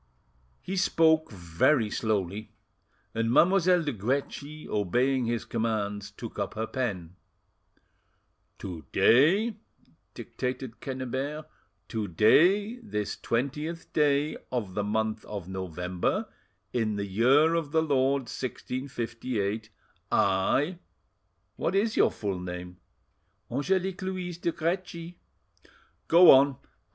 He spoke very slowly, and Mademoiselle de Guerchi, obeying his commands, took up her pen. "'To day,'" dictated Quennebert,—"'to day, this twentieth day of the month of November, in the year of the Lord 1658, I— "What is your full name?" "Angelique Louise de Guerchi." "Go on!